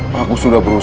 yang dipilih untuk cerita